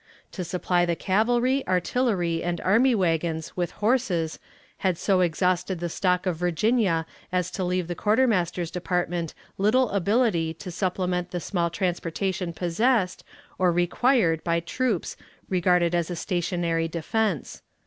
To supply the cavalry, artillery, and army wagons with horses, had so exhausted the stock of Virginia as to leave the quartermaster's department little ability to supplement the small transportation possessed, or required by troops regarded as a stationary defense.